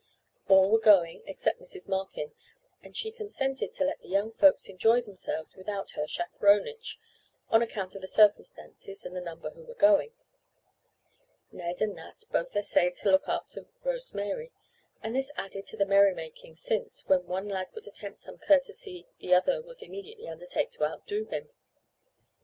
All were going except Mrs. Markin, and she consented to let the young folks enjoy themselves without her chaperonage, on account of the circumstances and the number who were going. Ned and Nat both essayed to look after Rose Mary, and this added to the merry making, since, when one lad would attempt some courtesy the other would immediately undertake to outdo him.